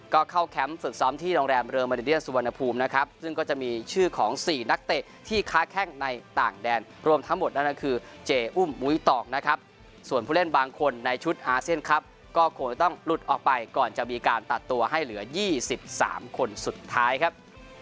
ก็เข้าแคมป์ฝึกซ้อมที่โรงแรมเรือมาริเดียสุวรรณภูมินะครับซึ่งก็จะมีชื่อของ๔นักเตะที่ค้าแข้งในต่างแดนรวมทั้งหมดนั่นก็คือเจอุ่มมุ้ยตอกนะครับส่วนผู้เล่นบางคนในชุดอาเซียนครับก็คงจะต้องหลุดออกไปก่อนจะมีการตัดตัวให้เหลือ๒๓คนสุดท้ายครับ